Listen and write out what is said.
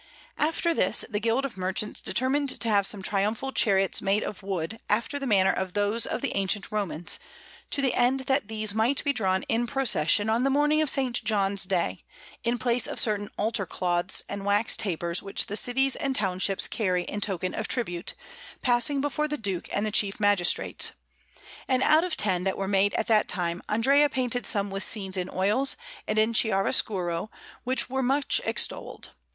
After this, the Guild of Merchants determined to have some triumphal chariots made of wood after the manner of those of the ancient Romans, to the end that these might be drawn in procession on the morning of S. John's day, in place of certain altar cloths and wax tapers which the cities and townships carry in token of tribute, passing before the Duke and the chief magistrates; and out of ten that were made at that time, Andrea painted some with scenes in oils and in chiaroscuro, which were much extolled.